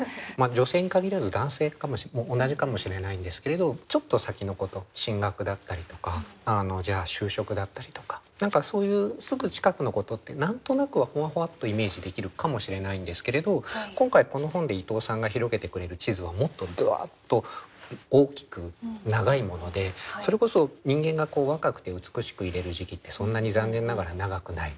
女性に限らず男性も同じかもしれないんですけれどちょっと先のこと進学だったりとかじゃあ就職だったりとか何かそういうすぐ近くのことって何となくはふわふわっとイメージできるかもしれないんですけれど今回この本で伊藤さんが広げてくれる地図はもっとダッと大きく長いものでそれこそ人間が若くて美しくいれる時期ってそんなに残念ながら長くない。